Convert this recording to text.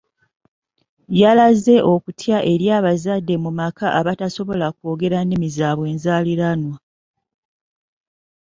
Yalaze okutya eri abazadde mu maka abatasobola kwogera nnimi zaabwe enzaaliranwa.